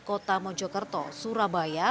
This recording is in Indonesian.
kota mojokerto surabaya